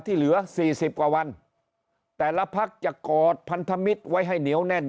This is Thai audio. เหลือสี่สิบกว่าวันแต่ละพักจะกอดพันธมิตรไว้ให้เหนียวแน่น